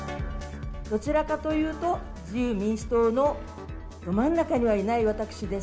どちらかというと、自由民主党のど真ん中にいない私です。